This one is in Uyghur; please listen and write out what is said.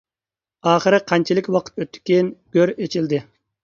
ئاخىرى قانچىلىك ۋاقىت ئۆتتىكىن، گۆر ئېچىلدى.